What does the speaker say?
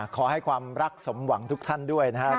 ขอให้ความรักสมหวังทุกท่านด้วยนะครับ